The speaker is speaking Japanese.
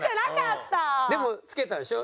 でも付けたんでしょ？